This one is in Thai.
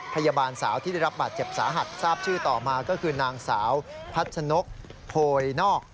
พยาบาลสาวที่ได้รับบาดเจ็บสาหัสทราบชื่อต่อมาก็คือนางสาวพัชนกโพยนอก